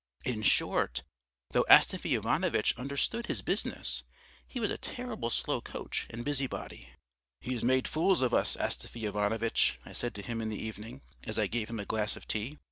In short, though Astafy Ivanovitch understood his business, he was a terrible slow coach and busy body. "He's made fools of us, Astafy Ivanovitch," I said to him in the evening, as I gave him a glass of tea.